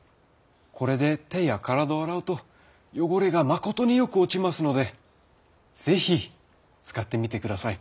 これで手や体を洗うと汚れがまことによく落ちますのでぜひ使ってみて下さい。